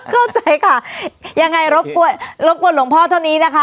ล่อมพ่อค่ะเดี๋ยวรบกวนล่อมพ่อเท่านี้ค่ะ